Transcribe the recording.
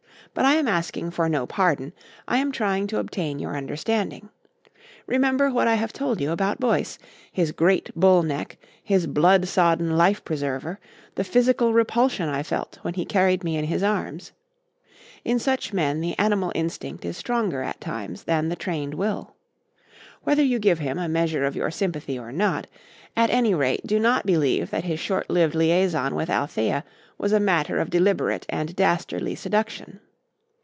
But I am asking for no pardon; I am trying to obtain your understanding. Remember what I have told you about Boyce, his great bull neck, his blood sodden life preserver, the physical repulsion I felt when he carried me in his arms. In such men the animal instinct is stronger at times than the trained will. Whether you give him a measure of your sympathy or not, at any rate do not believe that his short lived liaison with Althea was a matter of deliberate and dastardly seduction.